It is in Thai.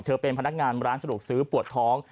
เป็นพนักงานร้านสะดวกซื้อปวดท้อง